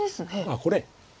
あっこれ。